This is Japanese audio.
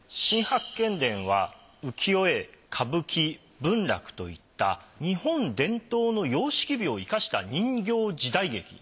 『新八犬伝』は浮世絵歌舞伎文楽といった日本伝統の様式美を生かした人形時代劇。